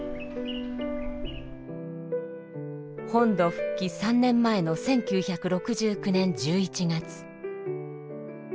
本土復帰３年前の１９６９年１１月。